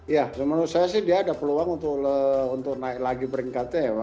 ya menurut saya sih dia ada peluang untuk naik lagi peringkatnya ya